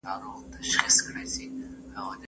هغه سګرټ چې په ځمکه پروت و، د باد په واسطه ورک شو.